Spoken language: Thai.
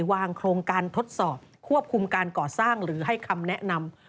วางโครงการทดสอบควบคุมการก่อสร้างหรือให้คำแนะนำ